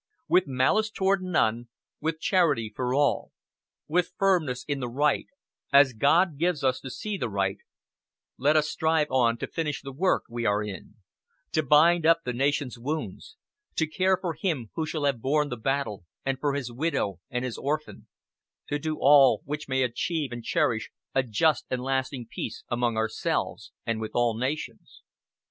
"With malice toward none; with charity for all; with firmness in the right, as God gives us to see the right, let us strive on to finish the work we are in; to bind up the nation's wounds; to care for him who shall have borne the battle, and for his widow, and his orphan to do all which may achieve and cherish a just and lasting peace among ourselves, and with all nations."